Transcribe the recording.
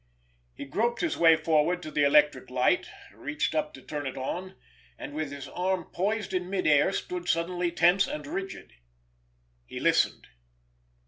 He groped his way forward to the electric light, reached up to turn it on—and, with his arm poised in mid air, stood suddenly tense and rigid. He listened.